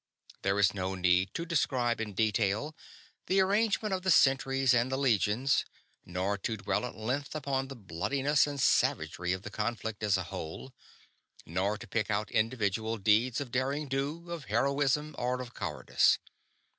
There is no need to describe in detail the arrangement of the centuries and the legions, nor to dwell at length upon the bloodiness and savagery of the conflict as a whole nor to pick out individual deeds of derring do, of heroism, or of cowardice.